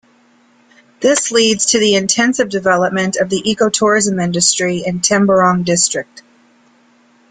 This leads to the intensive development of the eco-tourism industry in Temburong district.